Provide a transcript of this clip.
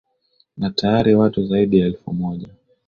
na tayari watu zaidi ya elfu moja